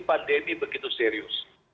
pandemi begitu serius